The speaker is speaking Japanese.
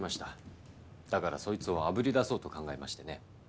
だからそいつをあぶり出そうと考えましてね。